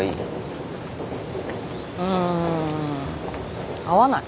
うん会わない。